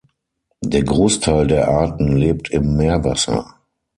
Der Großteil der Arten lebt im Meerwasser.